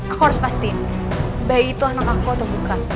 aku harus pasti bayi itu anak aku atau bukan